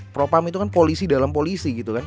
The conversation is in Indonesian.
propam itu kan polisi dalam polisi gitu kan